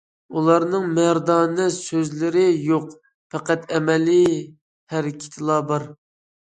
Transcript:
ئۇلارنىڭ مەردانە سۆزلىرى يوق، پەقەت ئەمەلىي ھەرىكىتىلا بار.